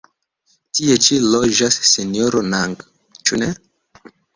Tie ĉi loĝas Sinjoro Nang, ĉu ne?